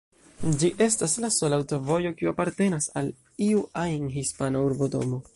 Ĝi estas la sola aŭtovojo kiu apartenas al iu ajn hispana urbodomo.